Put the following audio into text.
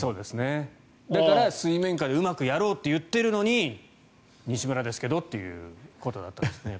だから水面下でうまくやろうと言っているのに西村ですけどということだったんですかね。